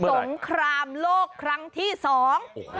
สงครามโลกครั้งที่สอง